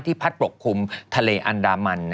พัดปกคลุมทะเลอันดามัน